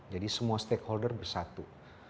jadi semua stakeholder bersatu